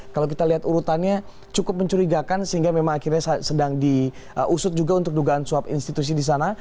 kalau kita lihat urutannya cukup mencurigakan sehingga memang akhirnya sedang diusut juga untuk dugaan suap institusi di sana